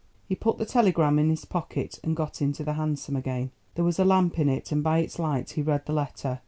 He put the telegram in his pocket and got into the hansom again. There was a lamp in it and by its light he read the letter.